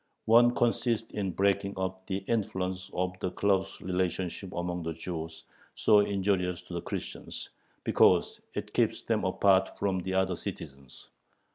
One consists in breaking up "the influence of the close relationship among the Jews so injurious to the Christians," because it keeps them apart from the other citizens.